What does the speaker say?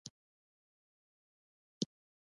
د لښکر په شمیر کې د لوی توپیر له امله.